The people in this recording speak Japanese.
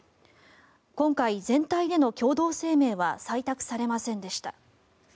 今回、全体での共同声明は採択されませんでした。